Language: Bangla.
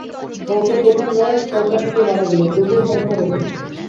গল্পের প্রধান নায়ক সর্পাঘাতেই মারা গেল, তবুও তার পরে?